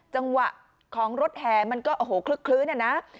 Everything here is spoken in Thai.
จังหวะของรถแห่มันก็โอ้โหคลึกคลื้นอะนะ